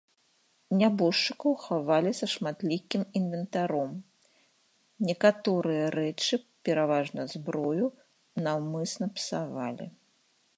Нябожчыкаў хавалі са шматлікім інвентаром, некаторыя рэчы, пераважна зброю, наўмысна псавалі.